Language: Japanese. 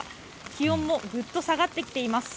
気温もぐっと下がってきています。